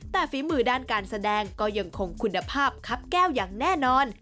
แต่ฝีมือด้านการแสดงก็ยังคงคุณภาพครับแก้วอย่างแน่นอน